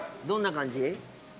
どんな感じ？